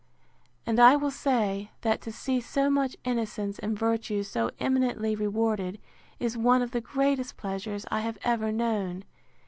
And I will say, that to see so much innocence and virtue so eminently rewarded, is one of the greatest pleasures I have ever known.